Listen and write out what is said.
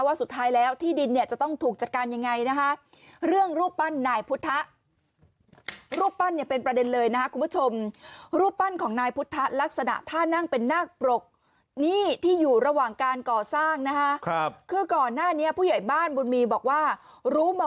ว่าสุดท้ายแล้วที่ดินเนี่ยจะต้องถูกจัดการยังไงนะฮะเรื่องรูปปั้นนายพุทธะรูปปั้นเนี่ยเป็นประเด็นเลยนะ